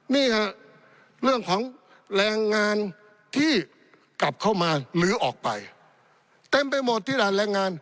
นี่ฮะเรื่องของแรงงานที่กลับเข้ามาหรือออกไปเต็มไปหมดที่ร้านแรงงาน